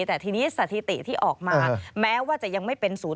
แต่ทีนี้สถิติที่ออกมาแม้ว่าจะยังไม่เป็น๐๘